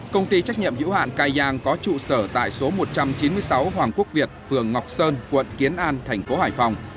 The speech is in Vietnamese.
công ty trách nhiệm hữu hạn cai giang có trụ sở tại số một trăm chín mươi sáu hoàng quốc việt phường ngọc sơn quận kiến an thành phố hải phòng